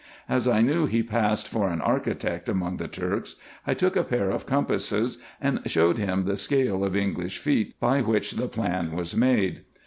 As I knew he passed for an architect among the Turks, I took a pair of compasses, and showed him the scale of English feet, by which the plan was made.